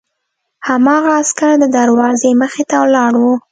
هماغه عسکر د دروازې مخې ته ولاړ و